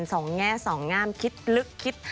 แง่สองงามคิดลึกคิด